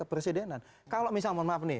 presidenan kalau misalnya mohon maaf nih